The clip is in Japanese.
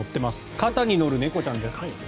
肩に乗る猫ちゃんです。